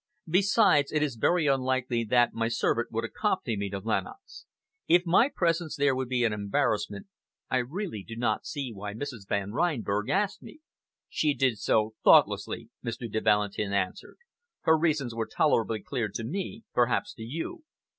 Besides, it is very unlikely that my servant would accompany me to Lenox. If my presence there would be an embarrassment, I really do not see why Mrs. Van Reinberg asked me." "She did so thoughtlessly," Mr. de Valentin answered. "Her reasons were tolerably clear to me, perhaps to you.